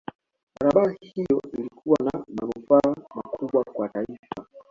barabara hiyo ilikuwa na manufaa makubwa kwa taifa